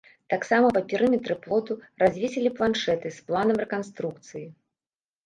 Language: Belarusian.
Таксама па перыметры плоту развесілі планшэты з планам рэканструкцыі.